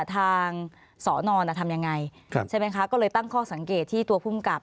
สอนอนทำยังไงใช่ไหมคะก็เลยตั้งข้อสังเกตที่ตัวภูมิกับ